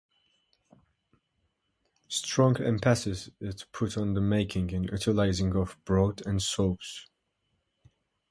Strong emphasis is put on the making and utilising of broth and soups.